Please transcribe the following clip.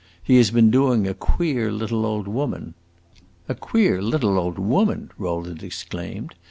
"He has been doing a queer little old woman." "A queer little old woman!" Rowland exclaimed.